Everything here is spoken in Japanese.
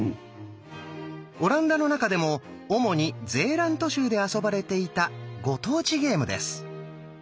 オランダの中でも主にゼーラント州で遊ばれていたご当地ゲームです。